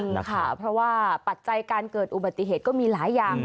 นะคะเพราะว่าปัจจัยการเกิดอุบัติเหตุก็มีหลายอย่าง